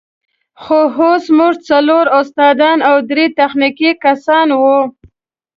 خو اوس موږ څلور استادان او درې تخنیکي کسان وو.